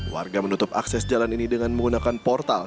warga menutup akses jalan ini dengan menggunakan portal